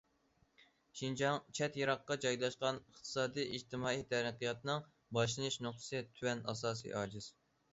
شىنجاڭ چەت، يىراققا جايلاشقان، ئىقتىسادىي، ئىجتىمائىي تەرەققىياتىنىڭ باشلىنىش نۇقتىسى تۆۋەن، ئاساسى ئاجىز.